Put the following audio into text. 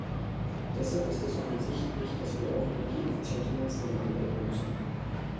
Deshalb ist es offensichtlich, dass wir auch energieeffiziente Maßnahmen anwenden müssen.